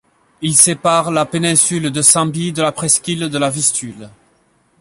Il sépare la péninsule de Sambie de la presqu'île de la Vistule.